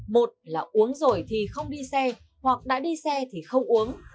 một là uống rồi thì không đi xe hoặc đã đi xe thì không uống